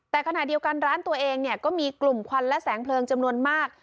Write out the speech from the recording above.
แต่ขณะเดียวกันร้านตัวเองเนี่ยก็มีกลุ่มควันและแสงเพลิงจำนวนมาก